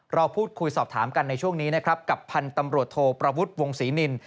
รอพูดคุยสอบถามกันในช่วงนี้กับพันธุ์ตำรวจโทรประวุฒิวงศ์ศรีนินทร์